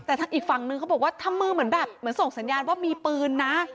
แต่ทางอีกฝั่งนึงเขาบอกว่าทำมือเหมือนแบบเหมือนส่งสัญญาณว่ามีปืนนะ